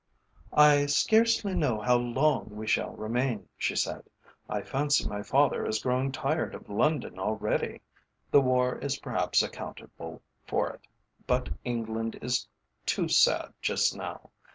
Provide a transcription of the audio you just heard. "I scarcely know how long we shall remain," she said. "I fancy my father is growing tired of London already. The war is perhaps accountable for it, but England is too sad just now.